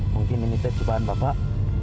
mungkin ini percobaan bapak